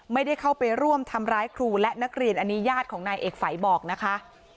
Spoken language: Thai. ไม่ได้เข้าไปร่วมทำร้ายครูและนักเรียนอันนี้ญาติของนายเอกฝัยบอกนะคะ